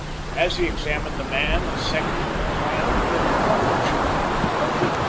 As he examined the man a second and more violent fit of coughing shook him.